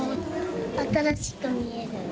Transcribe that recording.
新しく見える。